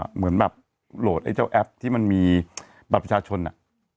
เหมือนแบบโหลดไอ้เจ้าแอปที่มันมีบัตรประชาชนอ่ะ